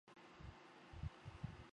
二是派员打入日伪内部搜集情报。